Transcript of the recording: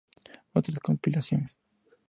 Otras compilaciones